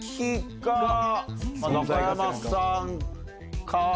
か中山さんか。